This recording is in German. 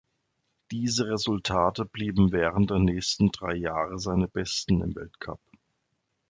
Diese Resultate blieben während der nächsten drei Jahre seine besten im Weltcup.